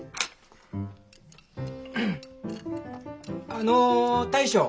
あの大将。